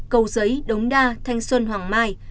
cầu giấy đống đa thanh xuân hoàng mai